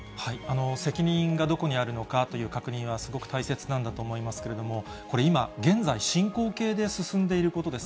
責任がどこにあるのかという確認はすごく大切なんだと思いますけれども、これ今、現在進行形で進んでいることです。